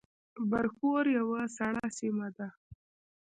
برښور یوه سړه سیمه ده